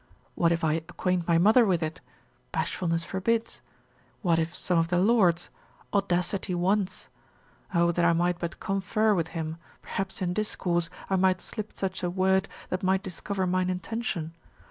What if I acquaint my mother with it? bashfulness forbids. What if some of the lords? audacity wants. O that I might but confer with him, perhaps in discourse I might let slip such a word that might discover mine intention!